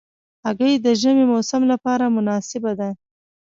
هګۍ د ژمي موسم لپاره مناسبه ده.